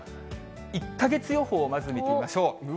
１か月予報をまず見てみましょう。